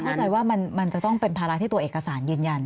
เข้าใจว่ามันจะต้องเป็นภาระที่ตัวเอกสารยืนยัน